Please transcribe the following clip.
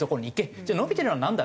じゃあ伸びてるのはなんだ？